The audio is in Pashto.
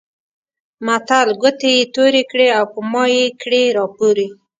متل؛ ګوتې يې تورې کړې او په مايې کړې راپورې.